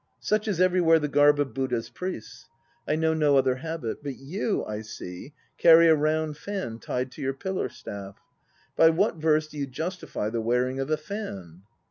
Such is everywhere the garb of Buddha's priests. I know no other habit. But you, I see, carry a round fan tied to your pillar staff. By what verse do you justify the wearing of a fan?